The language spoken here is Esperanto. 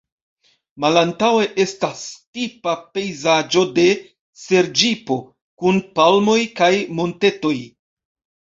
Malantaŭe estas tipa pejzaĝo de Serĝipo, kun palmoj kaj montetoj.